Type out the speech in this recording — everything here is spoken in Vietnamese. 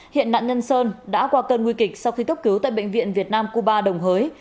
hiện nạn nhân sơn đã qua cơn nguy kịch sau khi cấp cứu tại bệnh viện việt nam cuba đồng hới